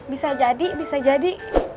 bisa jadi bisa jadi